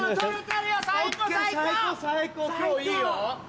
最高最高今日いいよ。